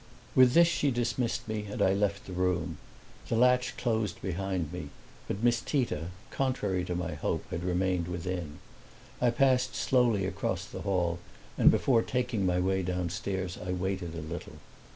With this she dismissed me, and I left the room. The latch closed behind me, but Miss Tita, contrary to my hope, had remained within. I passed slowly across the hall and before taking my way downstairs I waited a little.